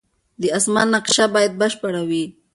د اسمان نقشه باید بشپړه وي.